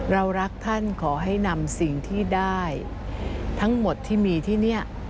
รักท่านขอให้นำสิ่งที่ได้ทั้งหมดที่มีที่นี่